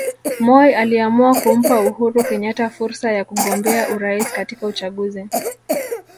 Moi aliamua kumpa Uhuru Kenyatta fursa ya kugombea urais katika uchaguzi